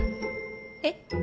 えっ？